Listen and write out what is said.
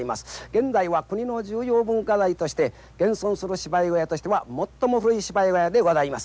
現在は国の重要文化財として現存する芝居小屋としては最も古い芝居小屋でございます。